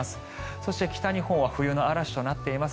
そして、北日本は冬の嵐となっています。